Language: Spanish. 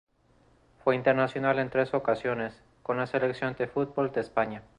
Fue internacional en tres ocasiones con la selección de fútbol de España.